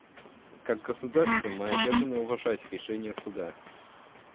Как государства мы обязаны уважать решения Суда.